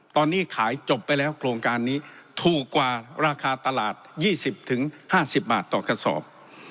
ตอนนี้ขายจบไปแล้วโครงการนี้ถูกกว่าราคาตลาด๒๐๕๐บาทต่อกระสอบ